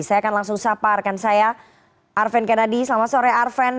saya akan langsung sapa rekan saya arven kennedy selamat sore arven